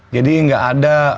jadi gak ada